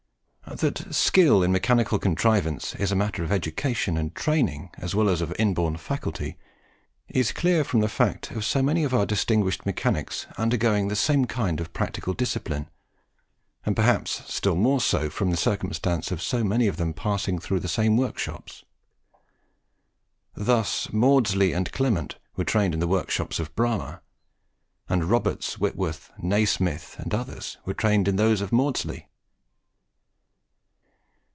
That Skill in mechanical contrivance is a matter of education and training as well as of inborn faculty, is clear from the fact of so many of our distinguished mechanics undergoing the same kind of practical discipline, and perhaps still more so from the circumstance of so many of them passing through the same workshops. Thus Maudslay and Clement were trained in the workshops of Bramah; and Roberts, Whitworth, Nasmyth, and others, were trained in those of Maudslay.